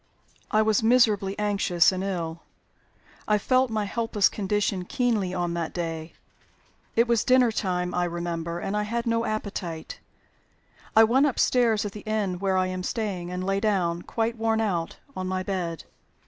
"I was miserably anxious and ill. I felt my helpless condition keenly on that day. It was dinner time, I remember, and I had no appetite. I went upstairs (at the inn where I am staying), and lay down, quite worn out, on my bed.